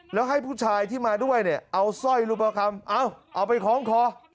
แล้วให้ผู้ชายที่มาด้วยเนี่ยเอาสร้อยรูปคำเอาไปคล้องคอ